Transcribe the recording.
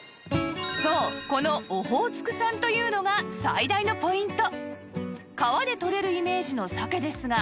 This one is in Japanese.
そうこのオホーツク産というのが最大のポイント